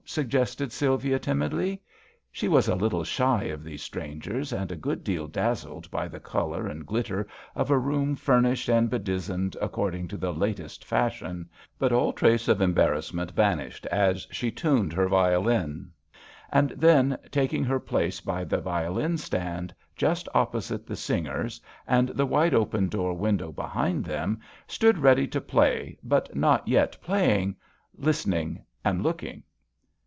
" suggested Sylvia, timidly. She was a little shy of these strangers and a good deal dazzled by the colour and glitter of a room fur nished and bedizened according to the latest fashion, but all trace of embarrassment vanished as she tuned her violin, and then, taking her place by the violin stand, just opposite the singers, and the wide open door window behind them, stood ready to play but not yet playing, listening and looking.